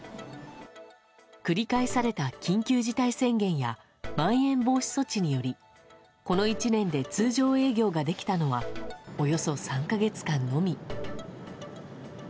繰り返された緊急事態宣言や、まん延防止措置により、この１年で通常営業ができたのは、およそ３か月間のみ。